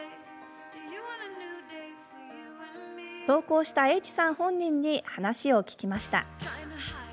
投稿したＨさん本人に話を聞きました。